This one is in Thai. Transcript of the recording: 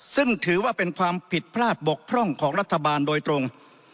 ซึ่งถือว่าเป็นความผิดพลาดบกพร่องของรัฐบาลโดยตรง